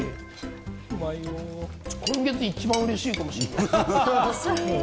今月、一番嬉しいかもしれない。